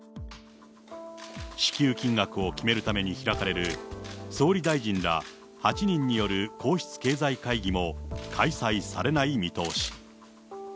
支給金額を決めるために開かれる総理大臣ら８人による皇室経済会議も開催されない見通し。